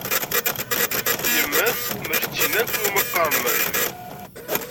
Yemma-s, mačči d tin akken iwumi i qqaren Meryem?